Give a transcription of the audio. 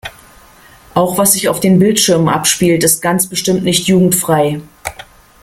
Auch was sich auf den Bildschirmen abspielt, ist ganz bestimmt nicht jugendfrei.